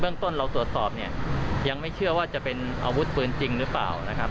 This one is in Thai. เบื้องต้นเราตรวจสอบยังไม่เชื่อว่าจะเป็นอาวุธปืนจริงหรือเปล่า